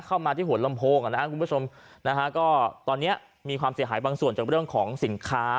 เข้ามาที่หัวลำโพงอ่ะนะฮะคุณผู้ชมนะฮะก็ตอนนี้มีความเสียหายบางส่วนจากเรื่องของสินค้า